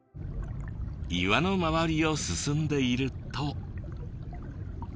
岩の周りを進んでいると。